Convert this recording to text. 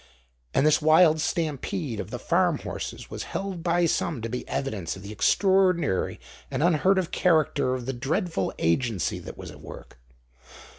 And this wild stampede of the farm horses was held by some to be evidence of the extraordinary and unheard of character of the dreadful agency that was at work.